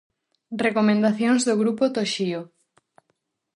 Recomendacións do grupo Toxío.